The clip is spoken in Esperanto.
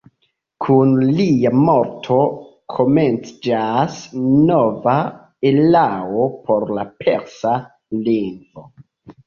Kun lia morto komenciĝas nova erao por la persa lingvo.